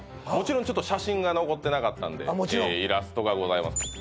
もちろんちょっと写真が残ってなかったんでイラストがございます